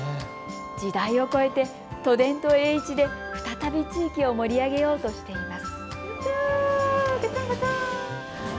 時代をこえて都電と栄一で再び地域を盛り上げようとしています。